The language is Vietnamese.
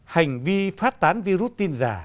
hành vi phát tán virus tin giả